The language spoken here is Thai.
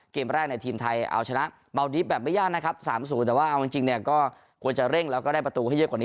เกมแรกในทีมไทยเอาชนะเมาดีฟแบบไม่ยากนะครับ๓๐แต่ว่าเอาจริงเนี่ยก็ควรจะเร่งแล้วก็ได้ประตูให้เยอะกว่านี้